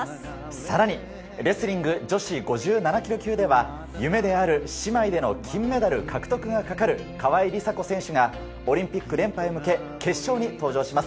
さらにレスリング女子５７ｋｇ級では、夢である姉妹での金メダル獲得がかかる川井梨紗子選手がオリンピック連覇へ向け決勝に登場します。